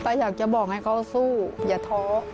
ถ้าอยากจะบอกให้เขาสู้อย่าท้อ